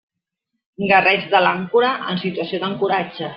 Garreig de l'àncora en situació d'ancoratge.